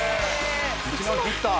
１万切った。